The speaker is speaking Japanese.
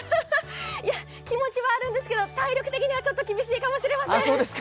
いや、気持ちはあるんですけど、体力的にはちょっと厳しいかもしれません。